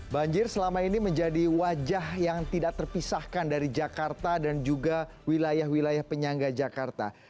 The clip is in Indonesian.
banjir selama ini menjadi wajah yang tidak terpisahkan dari jakarta dan juga wilayah wilayah penyangga jakarta